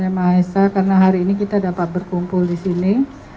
maha esa karena hari ini kita dapat berkumpul di sini